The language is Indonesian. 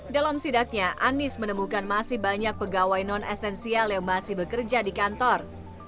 dalam sidaknya anies menemukan masih banyak pegawai non esensial yang masih bekerja di kantor